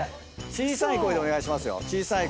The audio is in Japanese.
小さい声でお願いしますよ。